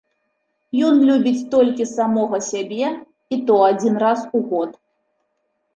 Ён любіць толькі самога сябе і то адзін раз у год